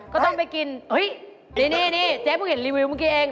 ก็ต้องไปกินเฮ้ยนี่เจ๊เพิ่งเห็นรีวิวเมื่อกี้เอง